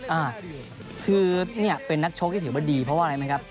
อ่าคือเนี่ยเป็นนักชกที่ถือว่าดีเพราะว่าอะไรไหมครับ